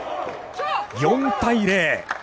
４対０。